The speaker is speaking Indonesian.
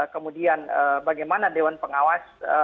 kemudian bagaimana doan pengawas